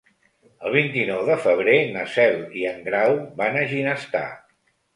El vint-i-nou de febrer na Cel i en Grau van a Ginestar.